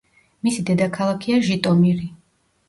მისი დედაქალაქია ჟიტომირი.